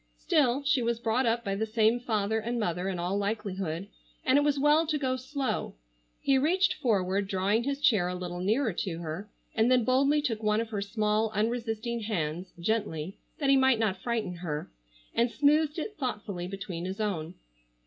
Still, she was brought up by the same father and mother in all likelihood, and it was well to go slow. He reached forward, drawing his chair a little nearer to her, and then boldly took one of her small unresisting hands, gently, that he might not frighten her, and smoothed it thoughtfully between his own.